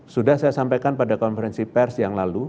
sudah saya sampaikan pada konferensi pers yang lalu